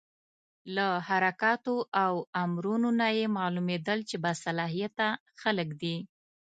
له حرکاتو او امرونو نه یې معلومېدل چې با صلاحیته خلک دي.